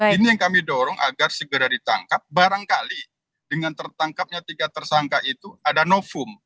ini yang kami dorong agar segera ditangkap barangkali dengan tertangkapnya tiga tersangka itu ada novum